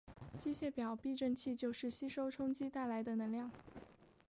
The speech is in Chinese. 机械表避震器就是吸收冲击带来的能量。